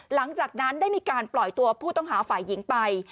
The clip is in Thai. หลังจากนั้นได้มีการปล่อยตัวผู้ต้องหาฝ่ายหญิงไป